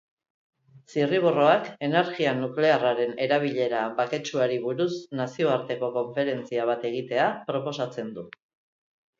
Zirriborroak energia nuklearraren erabilera baketsuari buruz nazioarteko konferentzia bat egitea proposatzen du.